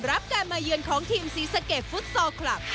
รับการมาเยือนของทีมศรีสะเกดฟุตซอลคลับ